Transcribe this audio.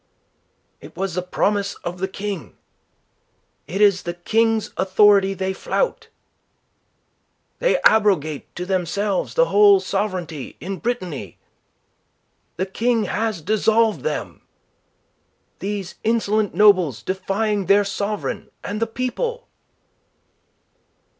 "It was the promise of the King... It is the King's authority they flout... They arrogate to themselves the whole sovereignty in Brittany. The King has dissolved them... These insolent nobles defying their sovereign and the people..."